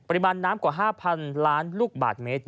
ปริมาณน้ำกว่า๕๐๐๐ล้านลูกบาทเมตร